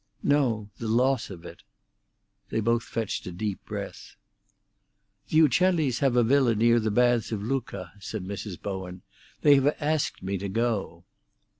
"No; the loss of it." They both fetched a deep breath. "The Uccellis have a villa near the baths of Lucca," said Mrs. Bowen. "They have asked me to go."